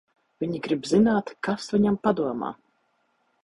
Viņi grib zināt, kas viņam padomā.